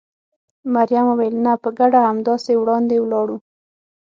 مريم وویل: نه، په ګډه همداسې وړاندې ولاړو.